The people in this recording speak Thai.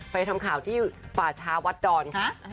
ทำข่าวที่ป่าช้าวัดดอนค่ะ